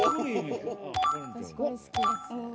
私これ好きです。